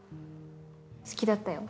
好きだったよ